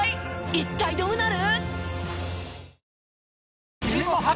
一体どうなる？